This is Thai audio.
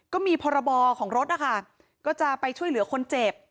ก็มีพรบของรถนะคะก็จะไปช่วยเหลือคนเจ็บ